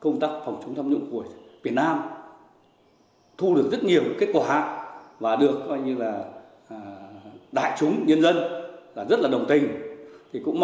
công tác phòng chống tham nhũng của việt nam thu được rất nhiều kết quả và được đại chúng nhân dân rất đồng tình